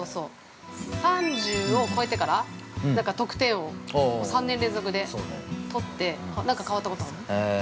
３０を超えてから得点王、３年連続で取って何か変わったことある？